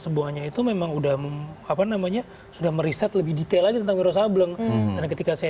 semuanya itu memang udah apa namanya sudah meriset lebih detail lagi tentang wiro sableng dan ketika saya